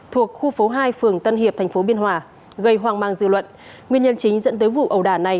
thuộc khu phố hai phường tân hiệp tp biên hòa gây hoang mang dư luận nguyên nhân chính dẫn tới vụ ẩu đả này